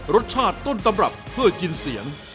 รสชาติต้นตำรับเพื่อกินเสียง